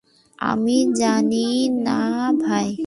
আমি জানি না ভাই।